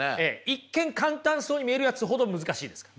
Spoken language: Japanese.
一見簡単そうに見えるやつほど難しいですから。